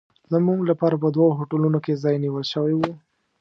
زموږ لپاره په دوو هوټلونو کې ځای نیول شوی و.